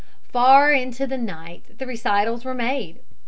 Far into the night the recitals were made.